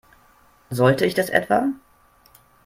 Sollte ich das etwa?